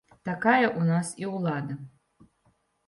Такая ў нас і ўлада.